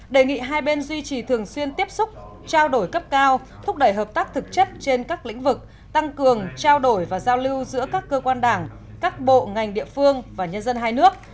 đề nghị hai bên duy trì thường xuyên tiếp xúc trao đổi cấp cao thúc đẩy hợp tác thực chất trên các lĩnh vực tăng cường trao đổi và giao lưu giữa các cơ quan đảng các bộ ngành địa phương và nhân dân hai nước